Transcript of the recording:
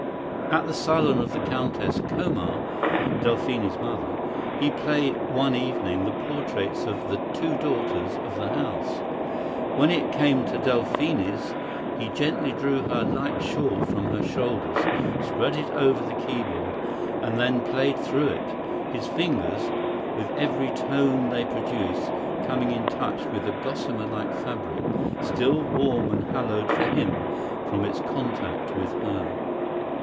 At the salon of the Countess Komar, Delphine's mother, he played one evening the portraits of the two daughters of the house. When it came to Delphine's he gently drew her light shawl from her shoulders, spread it over the keyboard, and then played through it, his fingers, with every tone they produced, coming in touch with the gossamer like fabric, still warm and hallowed for him from its contact with her.